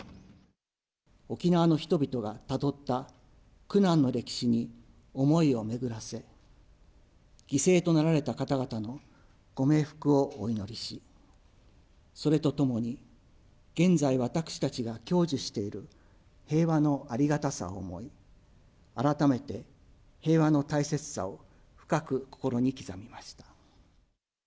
沖縄の人々がたどった苦難の歴史に思いを巡らせ、犠牲となられた方々のご冥福をお祈りし、それとともに、現在私たちが享受している平和のありがたさを思い、改めて平和の大切さを深く心に刻みました。